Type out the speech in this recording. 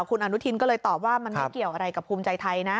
คุณอนุทินก็เลยตอบว่ามันไม่เกี่ยวอะไรกับภูมิใจไทยนะ